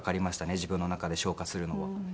自分の中で消化するのは。